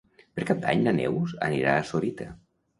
Per Cap d'Any na Neus anirà a Sorita.